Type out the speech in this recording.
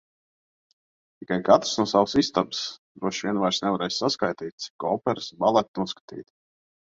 Tikai katrs no savas istabas. Droši vien vairs nevarēs saskaitīt, cik operas, baleti noskatīti.